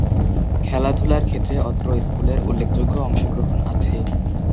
খেলাধুলার ক্ষেত্রে অত্র স্কুলের উল্লেখযোগ্য অংশগ্রহণ আছে।